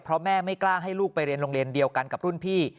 เพราะแม่ไม่กล้าให้ลูกไปเรียนโรงเรียนเดียวกันกับรุ่นพี่